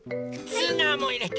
ツナもいれて。